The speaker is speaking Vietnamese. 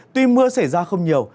tuy mưa xảy ra không nhiều